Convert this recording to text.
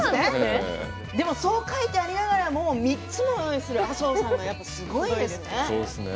でもそう書いてありながらも３つも用意する麻生さんがやっぱすごいですね。